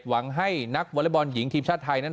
หวังให้นักวอเล็กบอลหญิงทีมชาติไทยนั้น